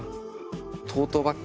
トートバッグ